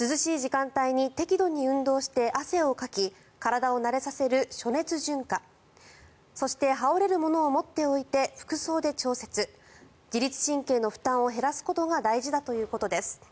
涼しい時間帯に適度に運動して汗をかき体を慣れさせる暑熱順化そして羽織れるものを持っておいて服装で調節自律神経の負担を減らすことが大事だということです。